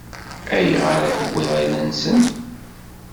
Ayɣer i tewwiḍ ayla-nsen?